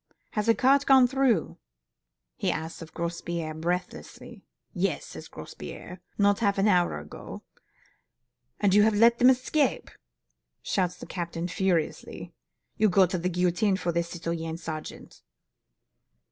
'Has a cart gone through?' he asks of Grospierre, breathlessly. 'Yes,' says Grospierre, 'not half an hour ago.' 'And you have let them escape,' shouts the captain furiously. 'You'll go to the guillotine for this, citoyen sergeant!